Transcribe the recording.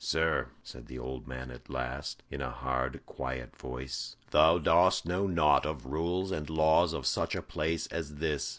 "Sir," said the old man at last, in a hard, quiet voice, "thou dost know naught of rules and laws of such a place as this.